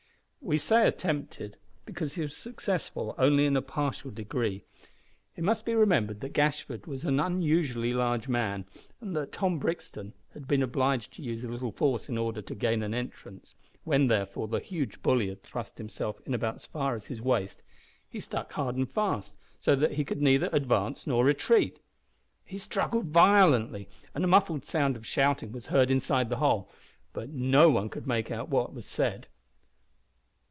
We say attempted, because he was successful only in a partial degree. It must be remembered that Gashford was an unusually large man, and that Tom Brixton had been obliged to use a little force in order to gain an entrance. When, therefore, the huge bully had thrust himself in about as far as his waist he stuck hard and fast, so that he could neither advance nor retreat! He struggled violently, and a muffled sound of shouting was heard inside the hole, but no one could make out what was said.